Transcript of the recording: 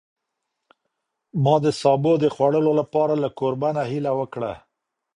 ما د سابو د خوړلو لپاره له کوربه نه هیله وکړه.